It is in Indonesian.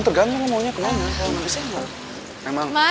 tergantung lo maunya kemana